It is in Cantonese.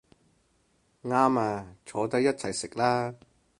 啱吖，坐低一齊食啦